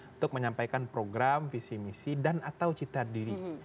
untuk menyampaikan program visi misi dan atau cita diri